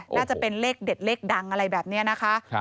น่าจะเป็นเลขเด็ดเลขดังอะไรแบบนี้นะคะ